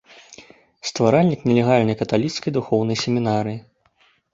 Стваральнік нелегальнай каталіцкай духоўнай семінарыі.